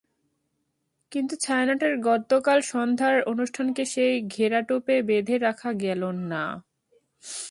কিন্তু ছায়ানটের গতকাল সন্ধ্যার অনুষ্ঠানকে সেই ঘেরাটোপে বেঁধে রাখা গেল না।